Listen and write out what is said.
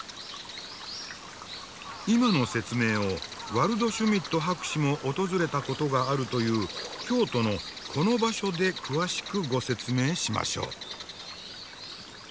今の説明をワルドシュミット博士も訪れたことがあるという京都のこの場所で詳しくご説明しましょう。